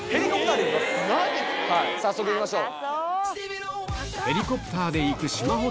早速行きましょう。